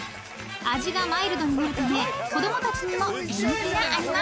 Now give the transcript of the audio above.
［味がマイルドになるため子供たちにも人気があります］